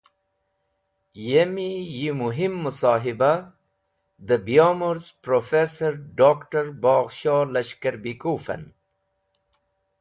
Yemi yi muhim musohibah dẽ biyomorz Prof. Dr. Boghshoh Lashkarbekov en.